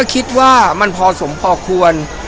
คิดว่ามันพอสมพอควร